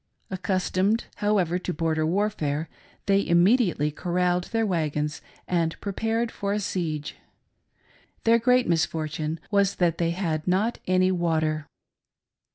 Accustomed, however, to border warfare, they immediately corralled their wagons and prepared for a siege — their great misfortune was that they had not any water.